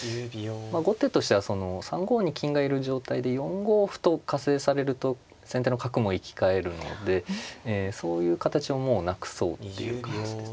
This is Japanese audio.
後手としてはその３五に金がいる状態で４五歩と加勢されると先手の角も生き返るのでそういう形をもうなくそうっていう感じです。